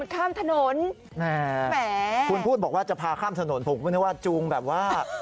คุณพูดบอกว่าจะพาข้ามถนนผมคือไม่ได้ว่าจูงแบบว่า